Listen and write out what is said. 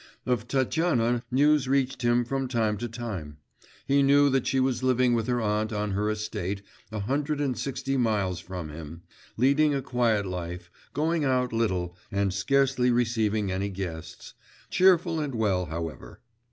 Of Tatyana news reached him from time to time; he knew that she was living with her aunt on her estate, a hundred and sixty miles from him, leading a quiet life, going out little, and scarcely receiving any guests cheerful and well, however.